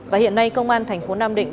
và hiện nay công an thành phố nam định